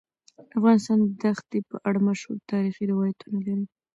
افغانستان د ښتې په اړه مشهور تاریخی روایتونه لري.